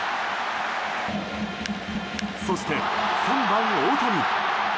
そして３番、大谷。